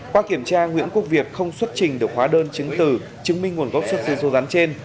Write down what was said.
qua kiểm tra nguyễn quốc việt không xuất trình được hóa đơn chứng từ chứng minh nguồn gốc xuất xứ số rắn trên